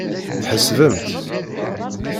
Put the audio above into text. Tḥesbemt.